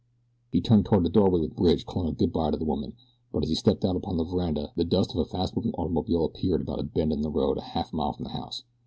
He turned toward the doorway with Bridge, calling a goodbye to the woman, but as he stepped out upon the veranda the dust of a fast moving automobile appeared about a bend in the road a half mile from the house.